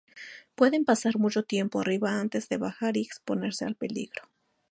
Pueden pasar mucho tiempo arriba antes de bajar y exponerse al peligro.